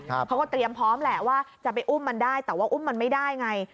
เขาก็เตรียมพร้อมแหละว่าจะไปอุ้มมันได้แต่ว่าอุ้มมันไม่ได้ไง